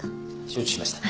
承知しました。